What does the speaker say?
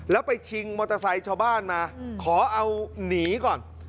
แล้วไปชิงมอเตอร์ไซค์ชาวบ้านมาขอเอาหนีก่อน